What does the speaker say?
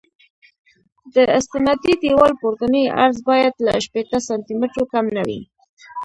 د استنادي دیوال پورتنی عرض باید له شپېته سانتي مترو کم نه وي